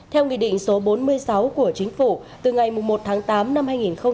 theo nghị định số bốn mươi sáu của chính phủ từ ngày một tháng tám năm hai nghìn một mươi chín